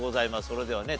それではね